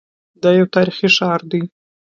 دا یو تاریخي ښار دی.